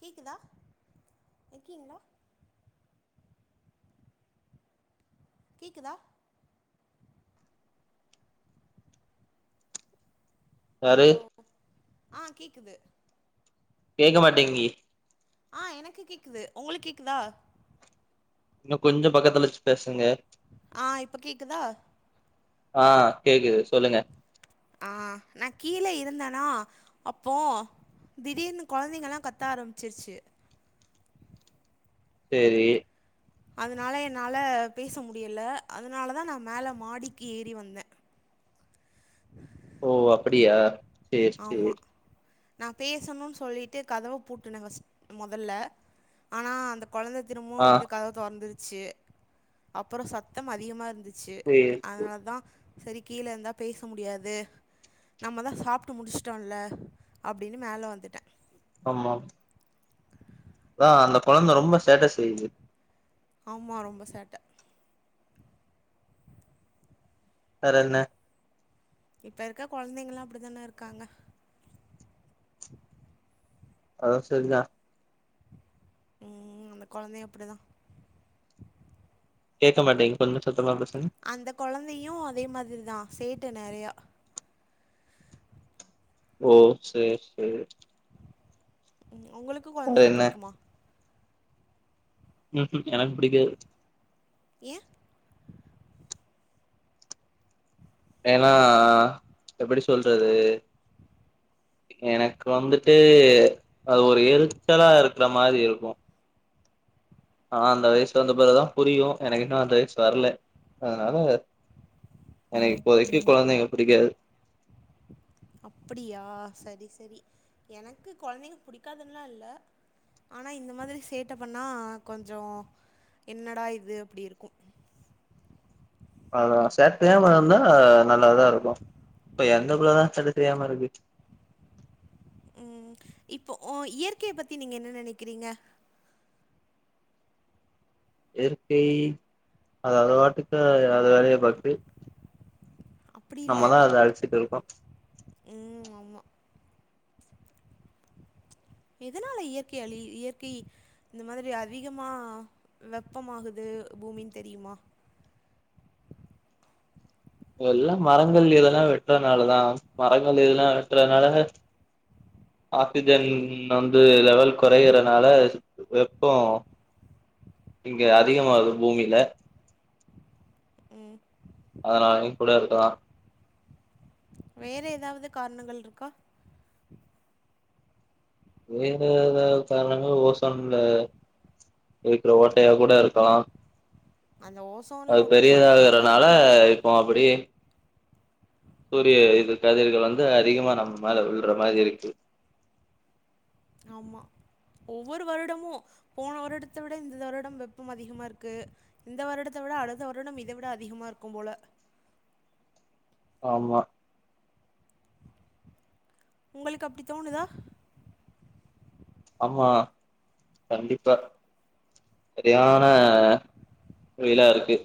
கேக்குதா இருக்கீங்களா கேக்குதா யாரு ஹலோ ஆ கேக்குது கேக்க மாட்டேங்கி ஆ எனக்கு கேக்குது உங்களுக் கேக்குதா இன்னு கொஞ்சோ பக்கத்துல வச்சு பேசுங்க ஆ இப்ப கேக்குதா ஆ கேக்குது சொல்லுங்க ஆ நா கீழே இருந்தேனா அப்போ திடீர்னு கொழந்தைங்கெல்லா கத்த ஆரம்ச்சிர்ச்சு சேரி அதுனால என்னால பேச முடியல அதுனாலதா நா மேல மாடிக்கி ஏறி வந்தே ஓ அப்புடியா ஆமா நா பேசணுன் சொல்லிட்டு கதவ பூட்டுன ஃபஸ் மொதல்ல ஆனா அந்த கொழந்த திரும்பவு ஆ வந்து கதவ தொறந்துருச்சு அப்பறொ சத்தம் அதிகமாருந்து ச்சு சேரி அதுனாலதா செரி கீழ இருந்தா பேச முடியாது நம்மதா சாப் ட்டு முடிச்சிட்டோல்ல அப்டீனு மேல வந்துட்ட ஆமாம் அதா அந்த கொழந்த ரொம்ப சேட்ட செய்து ஆமா ரொம்ப சேட்ட வேற என்ன இப்ப இருக்க கொழந்தைங்கல்லா அப்டி தான இருக்காங்க அதுவு சரிதா ம் அந்த கொழந்தையு அப்டிதா கேக்க மாட்டிங்கி கொஞ்ச சத்தமா பேசுங்க அந்த கொழந்தையு அதே மாதிரி தா சேட்ட நறையா ஓ சேர் சேரி ம் ஒங்களுக்கு வேற கொழந்தைங்க என்ன புடிக்குமா ம்ஹ்ம் எனக்கு புடிக்காது ஏ ஏன்னா எப்டி சொல்றது எனக்கு வந்துட்டு அது ஒரு எரிச்சலா இருக்குற மாரி இருக்கு ஆ அந்த வயசு வந்த பெறகுதா புரியு எனக்கு இன்னு அந்த வயசு வர்ல அதனால எனக்கு இப்போதைக்கு கொழந்தைங்க புடிக்காது அப்டியா சரி சரி எனக்கு கொழந்தைங்க புடிக்காதுன்லா இல்ல ஆனா இந்த மாதிரி சேட்டப் பண்ணா கொஞ்சோ என்னடா இது அப்டி இருக்கு அதா சேட்ட செய்யாம இருந்தா நல்லாதா இருக்கு இப்ப எந்த புள்ளதா சேட்ட செய்யாம இருக்கு ம் இப்போ ஒ இயற்கையப்பத்தி நீங்க என்ன நெனக்கிறீங்க இயற்கை அது அதுப்பாட்டுக்கா அது வேலைய பாக்து அப்டி இல்ல அத அழிச்சிட்டு இருக்கோ ம் ஆமா எதுனால இயற்கை அழி இயற்கை இந்த மாதிரி அதிகமா வெப்பமாகுது பூமின் தெரியுமா எல்லா மரங்கள் இதெல்லா வெட்றதுனாலதா மரங்கள் இதெல்லா வெட்றனால ஆக்சிஜன் வந்து லெவல் கொறையிறனால வெப்போ இங்க அதிகமாகுது பூமியில ம் அதனாலைக்கூட இருக்கலா வேற எதாவது காரணங்கள் இருக்கா வேற எதாவ் காரணங்கள் ஓசோன்ல இருக்குற ஓட்டையா கூட இருக்கலா அந்த ஓசோன்ல அது ஓட்டப்படுறதுக்கு பெரியதாகுறனால காரணமே இப்போ அப்டியே சூரிய இது கதிர்கள் வந்து அதிகமா நம்ம மேல விழ்ற மாரி இருக்கு ஆம்மா ஒவ்வொரு வருடமு போன வருடத்த விட இந்த வருடம் வெப்பம் அதிகமா இருக்கு இந்த வருடத்த விட அது வருடம் இத விட அதிகமா இருக்கு போல ஆமா உங்ளுக் அப்டி தோணுதா ஆமா கண்டிப்பா சரியான வெய்லா இருக்கு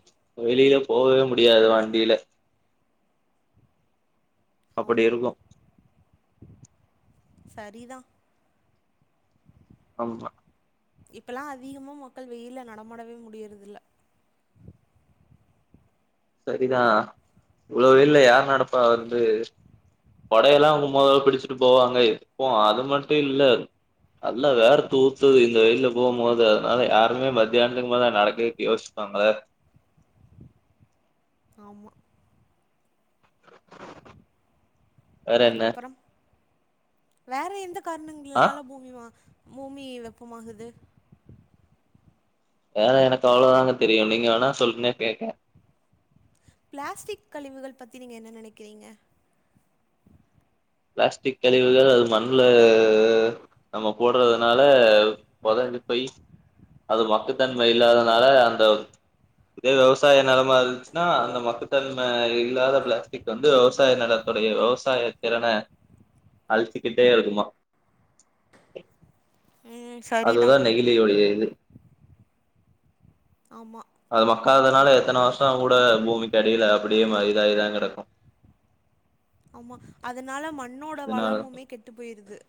வெளியில போவே முடியாது வண்டில அப்படி ஆம்மா இருக்கு சரி தா ஆம்மா இப்பல்லா அதிகமா மக்கள் வெயில நடமாடவே முடியிறதில்ல சரிதா இவ்ளோ வெய்ல யார் நடப்பா வந்து கொடையெல்லா அவங் மொதல்ல புடிச்சிட் போவாங்க இப்போ அது மட்டு இல்ல நல்லா வேற்த்து ஊத்துது இந்த வெய்ல போம் போது அதனால யாருமே மத்தியானத்துக் மேல நடக்றக் யோசிப் [unintelligible] ஆம்மா வேற என்ன அப்பறம் வேற எந்த ஆ காரணங்களால பூமி மி ம பூமி வெப்பமாகுது வேற எனக் அவ்ளதாங்க தெரியு நீங்க வேணா சொல்லுங்க கேக்க பிளாஸ்டிக் கழிவுகள் பத்தி நீங்க என்ன நனைக்கிறீங்க பிளாஸ்டிக் கழிவுகள் அது மண்ல நம்ம போட்றதுனால பொதஞ்சிபோயி அது மக்குதன்ம இல்லாதனால அந்த இதே விவசாய நிலமா இருந்ச்சினா அந்த மக்குதன்ம இல்லாத பிளாஸ்டிக் இது வந்து விவசாய நிலத்துடைய விவசாய திறன அழிச்சிகிட்டே வருமா ம் சரிதான் அதுதா நெகிலியுடைய இது ஆமா அது மக்காதனால எத்தன வருஷ கூட பூமிக்கு அடில அப்டியே மா இதாயிதா கடக்கு ஆமா அதனால மண்ணோட இதனால வளமுமே கெட்டு போயிருது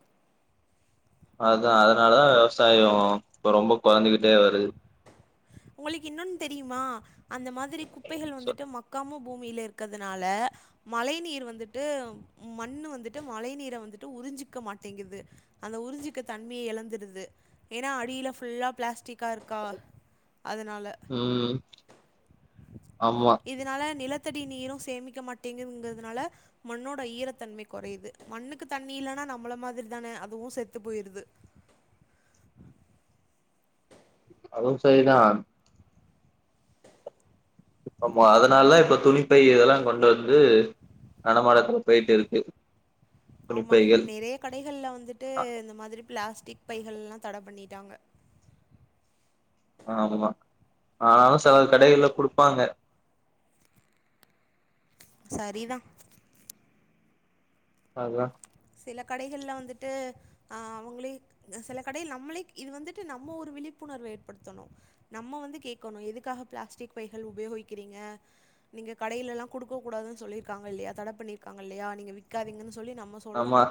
அதா அதனால தா விவசாயோ இப்ப ரொம்ப கொரஞ்கிட்டே வருது உங்ளுக் இன்னொன் தெரியுமா அந்த மாதிரி குப்பைகள் வந்துட்டு மக் கம்மு பூமிலே இருக்கறதுனால மழை நீர் வந்துட்டு மண்ணு வந்துட்டு மழை நீரை வந்துட்டு உறிஞ்சிக்க மாட்டேங்குது அந்த உறிஞ்சிக்க தன்மைய இழந்துடுது ஏனா அடியில ஃபுல்லா பிளாஸ்டிக்கா இருக்கா அதனால் ம் ஆமா இதனால நிலத்தடி நீரும் சேமிக்க மாட்டேங்குங்கறதுனால மண்ணோட ஈரத்தன்மை கொறையுது மண்ணுக்கு தண்ணி இல்னா நம்மள மாதிரி தான அதுவு செத்து போயிருது அதுவு சரிதா ஆம்மா ஆமா. அதனாலதா இப்ப துணிப்பை இதெல்லா கொண்டு வந்து நடமாட்டத்துல பெயிட்டு இருக்கு ஆமா துணிப்பைகள் நீ கடைகல்ல வந்துட்டு இந்த மாதிரி பிளாஸ்டிக் பைகள்லா தட பண்ணிட்டாங்க ஆமா ஆனாலு சில கடைகள்ல குடுப்பாங்க சரிதா அதா சில கடைகள்ல வந்துட்டு ஆ அவங்களே சில கடையில நம்மளே இது வந்துட்டு நம்ம ஒரு விழிப்புணர்வ ஏற்படுத்தணு நம்ம வந்து கேக்கணு எதுக்காக பிளாஸ்டிக் பைகள் உபயோகிக்கிறிங்க நீங்க கடையிலெல்லா குடுக்க கூடாதுன்னு சொல்லிருக்காங்க இல்லையா தட பண்ணிருக்காங்க இல்லையா நீங்க விக்காதிங்கன்னு சொல்லி நம்ம நம்ம சொல்லணும்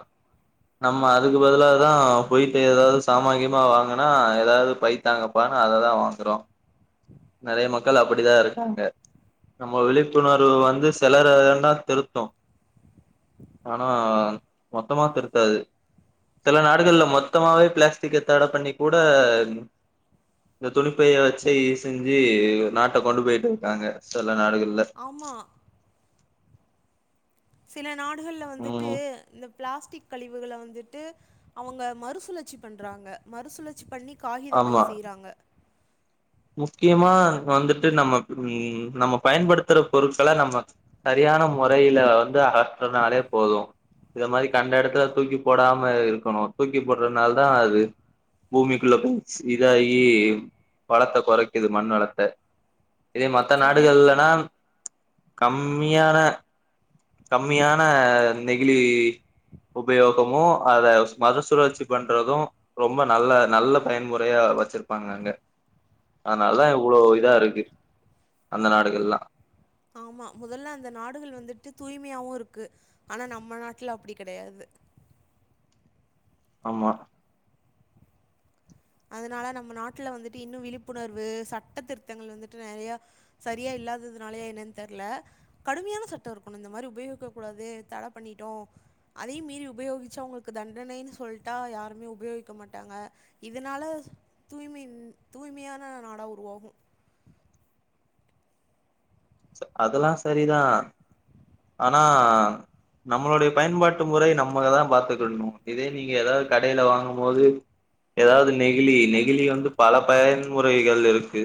நம்ம அதுக்கு பதிலாதா போயிட்டு எதாவது சாமா கீமா வாங்க னா எதாவது பை தாங்கப்பானு அததா வாங்கறோ நெறைய மக்கள் ஆமாம் அப்படிதா இருக்காங்க நம்ம விழிப்புணர்வு வந்து செலர வேணா திருத்து ஆனா மொத்தமா திருத்தாது த நாடுகள்ல மொத்தமாவே பிளாஸ்டிக்க தட பண்ணி கூட இந்த துணிப்பைய வெச்சு செஞ்சு நாட்டை கொண்டு போயிட்டு இருக்காங்க சில நாடுகள்ல ஆமா சில நாடுகள்ல வந்துட்டு ம் இந்த பிளாஸ்டிக் கழிவுகள வந்துட்டு அவங்க மறுசுழற்சி பண்றாங்க மறுசுழற்சி பண்ணி காகித பை ஆமா செய்றாங்க முக்கியமா வந்துட்டு நம்ம ம் நம்ம பயன்படுத்துற பொருட்கள நம்ம சரியான முறையில வந்து அகற்றனாலே போது இத மாதிரி கண்ட எடத்துல தூக்கி போடாம இருக்கணு தூக்கி போடுறதுனாலதா அது பூமிக்குள்ள போய்ச் இதாகி வளத்த கொறைக்குது மண் வளத்த இதே மத்த சரியா நாடுகள்லனா கம்மியான கம்மியான நெகிழி உபயோகமு அத மறு சுழற்சி பண்றது ரொம்ப நல்ல நல்ல பயன்முறையா வச்சிருப்பாங்க அங்க அதனால இவ்வளோ இதா இருக்கு அந்த நாடுகல்லா ஆமா முதல்ல அந்த நாடுகள் வந்துட்டு தூய்மையாவு இருக்கு ஆனா நம்ம நாட்ல அப்படி கெடையாது ஆமா அதனால நம்ம நாட்ல வந்துட்டு இன்னு விழிப்புணர்வு சட்ட திருத்தங்கள் வந்துட்டு நெறையா சரியா இல்லாததுனாலயா என்னன்னு தெர்ல கடுமையான சட்ட இருக்கணு இந்த மாரி உபயோகிக்க கூடாது தட பண்ணிட்டோ அதையு மீறி உபயோகிச்சா அவங்களுக்கு தண்டனைன்னு சொல்ட்டா யாருமே உபயோகிக்க மாட்டாங்க இதனால தூய்மின் தூய்மையான நாடா உருவாகு அதுலா சரிதா ஆனா நம்மளுடைய பயன்பாட்டு முறை நம்மளதா பாத்துக்கின்ணு இதே நீங்க எதா கடையில வாங்கும் போது எதாவ்து நெகிழி நெகிழி வந்து பல பயன்முறைகள் இருக்கு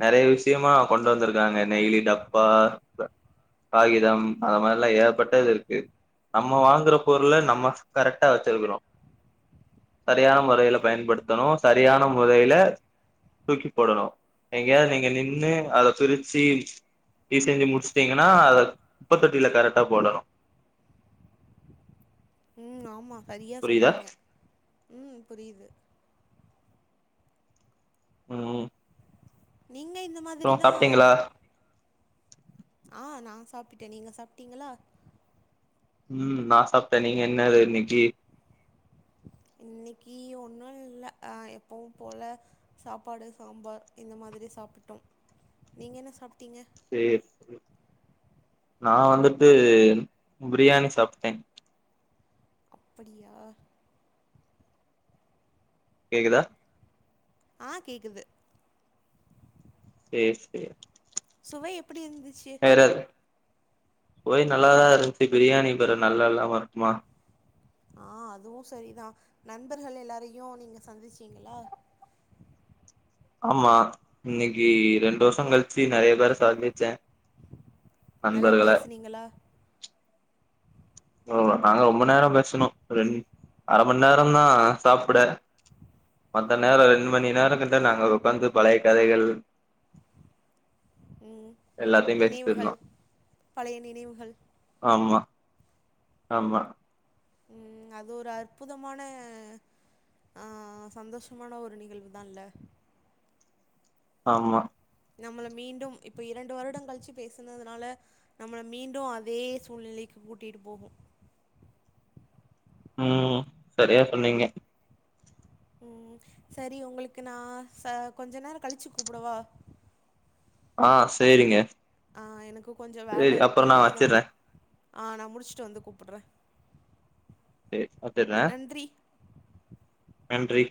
நெறைய விஷயமா கொண்டு வந்திருக்காங்க நெகிழி டப்பா காகிதம் அத மாரில்லா ஏகப்பட்டது இருக்கு நம்ம வாங்குற பொருள நம்ம கரெக்டா வெச்சிருக்கனு சரியான முறையில பயன்படுத்தணு சரியான முறையில தூக்கி போடணு எங்கயாது நீங்க நின்னு அத பிரிச்சு இ செஞ்சு முடிச்சுட்டிங்கனா அத குப்ப தொட்டில கரெட்டா போடணு ம் ஆமா சரியா புரியுதா சொன்னிங்க ம் புரியுது ம் நீங்க இந்த அப்றோ மாதிரிதா சாப்ட்டீங்களா ஆ நா சாப்பிட்டே நீங்க சாப்ட்டிங்களா ம் நா சாப்ட்ட நீங்க என்னது இன்னைக்கு இன்னிக்கு ஒன்னு இல்ல அ எப்பவு போல சாப்பாடு சாம்பார் இந்த மாதிரி சாப்பிட்டோ நீங்க என்ன சாப்ட்டீங்க சேர் நா வந்துட்டு பிரியாணி சாப்ட்டே அப்படியா கேகுதா ஆ கேக்குது சேர் சேர் சுவை எப்பிடி இருந்துச்சு பெற தோழி நல்லாதா இருந்துச்சு பிரியாணி பெற நல்லா இல்லாம இருக்குமா ஆ அதுவு சரிதா நண்பர்கள் எல்லாரையு நீங்க சந்திச்சீங்கள ஆமா இன்னைக்கி ரெண்டு வருஷோ கழிச்சு நெறைய பேர சந்திச்சே நல்லா நண்பர்கள பேசினீங்களா ஓ நாங்க ரொம்ப நேரொ பேசுனோ ரெண் அர மண் நேரந்தா சாப்ட மத்த நேர ரெண் மணி நேரங்கிட்ட நாங்கள் உக்காந்து பழைய கதைகள் ம் எல்லாத்தையு பேசிட்டு இருந்தோ நினைவுகள் பழைய நினைவுகள் ஆமா ஆமா ம் அது ஒரு அற்புதமான ஆ சந்தோஷமான ஒரு நிகழ்வு தால்ல ஆமா நம்மள மீண்டும் இப்ப இரண்டு வருடங் கழிச்சு பேசுனதுனால நம்மள மீண்டு அதே சூழ்நிலைக்கு கூட்டிட்டு போகூ ம் சரியா சொன்னீங்க ம் சரி உங்களுக்கு நா ச கொஞ்ச நேரொ கழிச்சு கூப்புடவா ஆ சேரிங்க ஆ எனக்கு கொஞ்ச சேரி வேல அப்பறோ இருக்கு நா இதம் வச்சிர்றே ஆ நா முடிச்சிட்டு வந்து கூப்புட்ற சே வத்திரே நன்றி